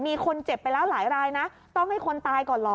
มีคนเจ็บไปแล้วหลายรายนะต้องให้คนตายก่อนเหรอ